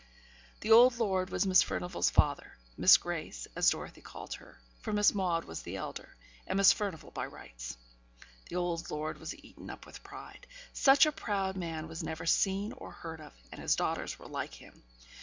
The old lord was Miss Furnivall's father Miss Grace, as Dorothy called her, for Miss Maude was the elder, and Miss Furnivall by rights. The old lord was eaten up with pride. Such a proud man was never seen or heard of; and his daughters were like him.